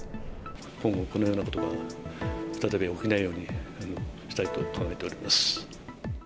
今後、このようなことが再び起きないようにしたいと考えております。